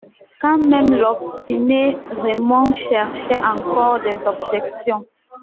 Quand même, l'obstiné Raymond cherchait encore des objections.